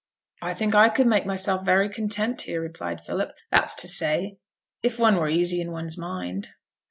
'I think I could make myself very content here,' replied Philip. 'That's to say, if one were easy in one's mind.'